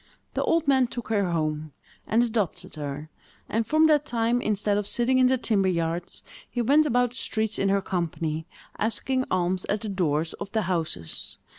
The old man took her home, and adopted her; and, from that time, instead of sitting in the timber yards, he went about the streets in her company, asking alms at the doors of the houses.